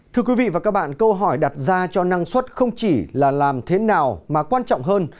thưa quý vị và các bạn câu hỏi đặt ra cho năng suất không chỉ là làm thế nào mà quan trọng hơn